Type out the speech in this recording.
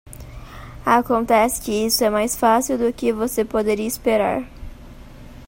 Acontece que isso é mais fácil do que você poderia esperar.